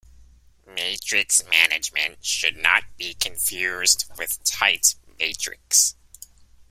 Matrix management should not be confused with "tight matrix".